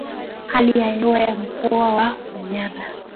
hali ya hewa ya Mkoa wa manyara